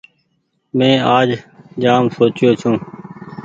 مين آج جآم سوچيو ڇون ۔